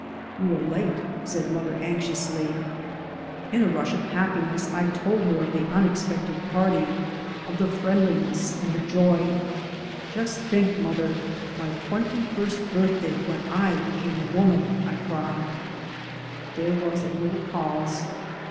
" You are late," said mother anxiously. In a rush of happiness I told her of the unex< 3 by Google MY MOTHER AND I pected party, of the friendliness and the joy. " Just think, mother, my twenty first birth day when I became a woman 1 " I cried. There was a little pause.